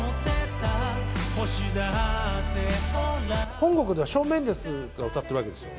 本国では、ショーン・メンデスが歌ってるわけですよ。